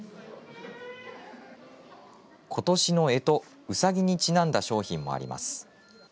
ことしのえとうさぎにちなんだ商品もあります。